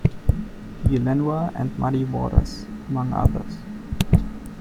B. Lenoir, and Muddy Waters, among others.